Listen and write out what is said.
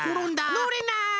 のれない！